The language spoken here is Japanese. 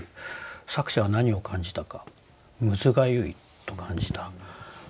作者は何を感じたかむずがゆいと感じた。